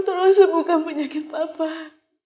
tolong sembuhkan penyakit bapak